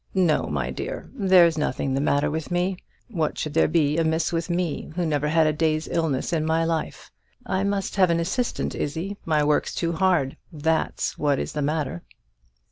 "No, my dear, there's nothing the matter with me. What should there be amiss with me, who never had a day's illness in my life? I must have an assistant, Izzie; my work's too hard that's what is the matter."